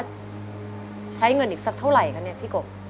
ใช้เงินอีกสักเท่าไหร่คะเนี่ยพี่กบ